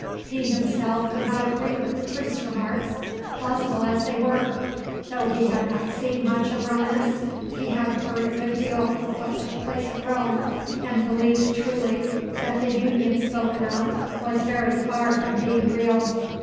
He himself could not agree with the priest's remarks, plausible as they were. Though he had not seen much of Romanists, he had heard a good deal of what took place at Rome, and believed truly that the union spoken of was very far from being real.